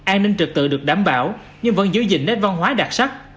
an ninh trực tự được đảm bảo nhưng vẫn giữ gìn nét văn hóa đặc sắc